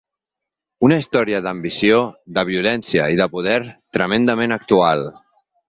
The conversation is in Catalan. Una història d’ambició, de violència i de poder tremendament actual.